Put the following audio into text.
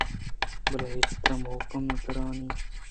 بلے چہ ترا مُحکم تریں